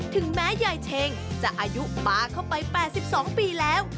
ถึงแม้ยายเชงจะอายุปลาเข้าไป๘๒ปีแล้ว